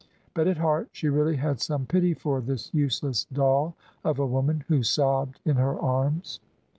But at heart she really had some pity for this useless doll of a woman, who sobbed in her arms.